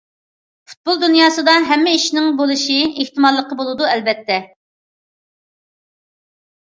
پۇتبول دۇنياسىدا ھەممە ئىشنىڭ بولۇش ئېھتىماللىقى بولىدۇ، ئەلۋەتتە.